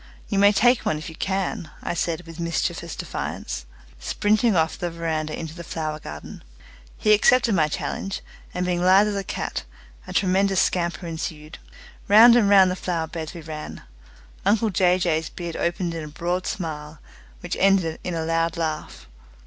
"You may take one if you can," I said with mischievous defiance, springing off the veranda into the flower garden. He accepted my challenge, and, being lithe as a cat, a tremendous scamper ensued. Round and round the flower beds we ran. Uncle Jay Jay's beard opened in a broad smile, which ended in a loud laugh.